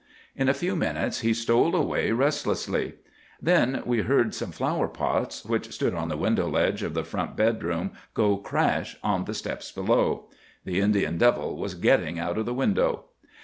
"In a few minutes he stole away restlessly. Then we heard some flower pots, which stood on the window ledge of the front bedroom, go crash on the steps below. The Indian devil was getting out of the window.